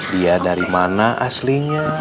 dia dari mana aslinya